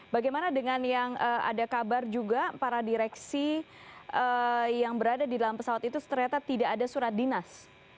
bagaimana dengan yang ada kabar juga para direksi yang berada di dalam pesawat itu ternyata tidak ada surat dinas